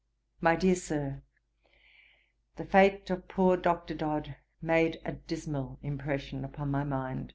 'MY DEAR SIR, 'The fate of poor Dr. Dodd made a dismal impression upon my mind.